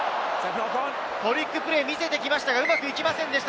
トリックプレー見せてきましたが、うまくいきませんでした。